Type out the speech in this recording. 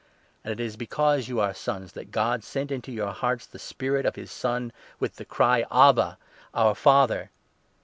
And it is because you are sons that God sent into our hearts 6 the Spirit of his Son, with the cry —' Abba, our Father.'